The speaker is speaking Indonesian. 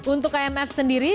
untuk kmf sendiri